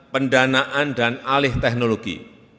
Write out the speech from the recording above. pendanaan dan alih teknologi